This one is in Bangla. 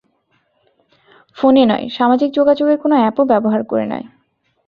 ফোনে নয়, সামাজিক যোগাযোগের কোনো অ্যাপও ব্যবহার করে নয়।